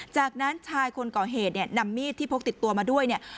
จากนั้นชายคนก่อเหตุเนี่ยนำมีดที่พกติดตัวมาด้วยเนี่ย